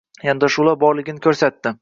yondashuvlar borligini ko‘rsatdi.